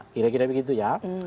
kira kira begitu ya